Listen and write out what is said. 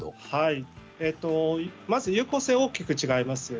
まず有効性が大きく違います。